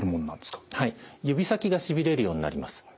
指先がしびれるようになります。